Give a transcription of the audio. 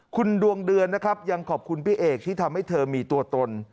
คุณดวงเดือนนะครับยังขอบคุณพี่เอกที่ทำให้เธอมีตัวตน